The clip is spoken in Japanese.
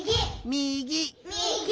みぎ！